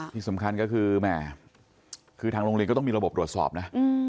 ที่สำคัญก็คือแหม่คือทางโรงเรียนก็ต้องมีระบบตรวจสอบนะ